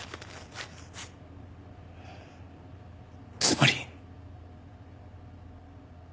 つまり。